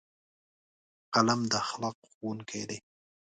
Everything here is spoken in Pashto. قلم د اخلاقو ښوونکی دی